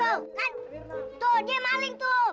tuh dia maleng tuh